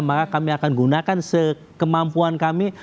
maka kami akan gunakan sekemampuan kami